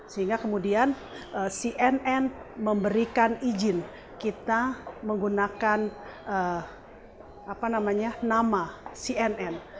sehingga kemudian cnn memberikan izin kita menggunakan nama cnn